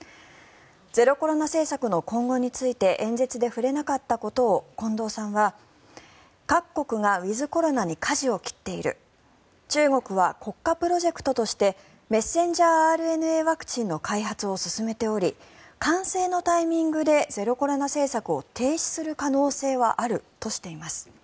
ゼロコロナ政策の今後について演説で触れなかったことを近藤さんは、各国がウィズコロナにかじを切っている中国は国家プロジェクトとしてメッセンジャーＲＮＡワクチンの開発を進めており完成のタイミングでゼロコロナ政策を停止する可能性はあるとしています。